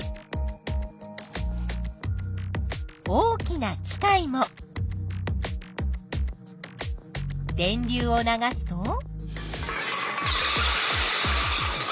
大きな機械も電流を流すと？